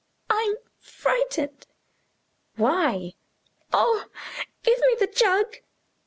"I'm frightened." "Why?" "Oh, give me the jug."